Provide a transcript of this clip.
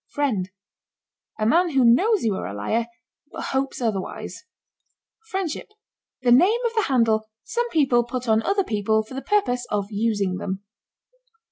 FRIEND. A man who knows you are a liar, but hopes otherwise. FRIENDSHIP. The name of the handle some people put on other people for the purpose of using them.